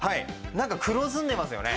なんか黒ずんでますよね？